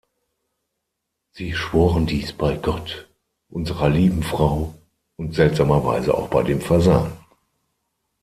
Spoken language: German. Sie schworen dies bei Gott, Unserer Lieben Frau und seltsamerweise auch bei dem Fasan.